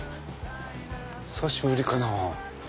久しぶりかな。